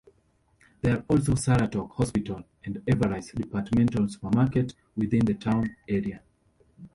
There are also Saratok Hospital and Everise Departmental Supermarket within the town area.